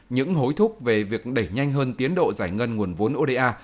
những hối thúc về việc đẩy nhanh hơn tiến độ giải ngân nguồn vốn oda